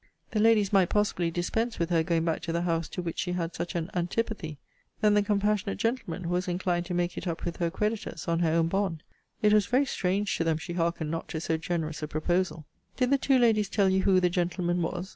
The ladies might, possibly, dispense with her going back to the house to which she had such an antipathy. Then the compassionate gentleman, who was inclined to make it up with her creditors on her own bond it was very strange to them she hearkened not to so generous a proposal. Did the two ladies tell you who the gentleman was?